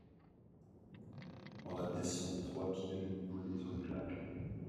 En abaissant de trois pieds le niveau des eaux du lac